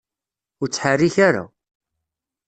Ur ttḥerrik ara.